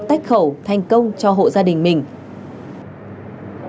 tách khẩu thành công cho hộ gia đình mình